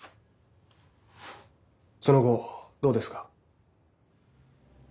その後どうですか？